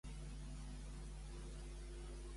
Ell només es va inventar la biografia d'Evasi de Còria?